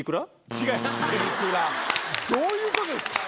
どういうことですか？